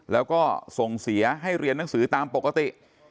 แล้วก็ส่งเสียให้เรียนหนังสือตามปกติ